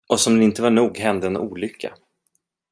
Och som det inte var nog hände en olycka.